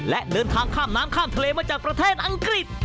และเดินทางข้ามน้ำข้ามทะเลมาจากประเทศอังกฤษ